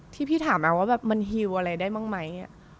ที่พี่ถามแอร์ว่ามันหิวอะไรได้บ้างไหม